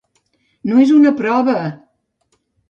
No és una prova!